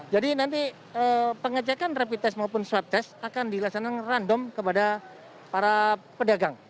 jadi nanti pengecekan rapid test maupun swab test akan dilaksanakan random kepada para pedagang